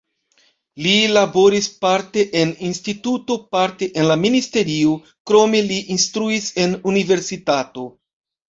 Li laboris parte en instituto, parte en la ministerio, krome li instruis en universitato.